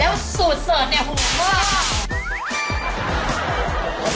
แล้วสูตรเซิร์ทเนี้ยห่วงมาก